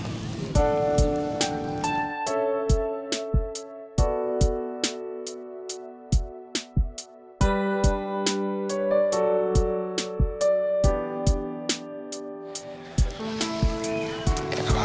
tuhan tapi setuju caranya